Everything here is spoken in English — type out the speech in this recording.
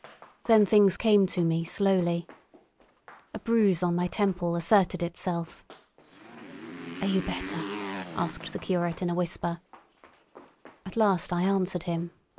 Then things came to me slowly. A bruise on my temple asserted itself. "Are you better?" asked the curate in a whisper. At last I answered him.